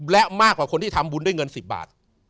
และมากกว่าคนที่ทำบุญด้วยเงิน๑๐บาท